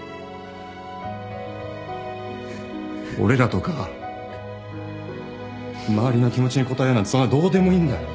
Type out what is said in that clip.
俺らとか周りの気持ちに応えるなんてそんなのどうでもいいんだよ。